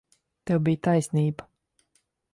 Tev bija taisnība.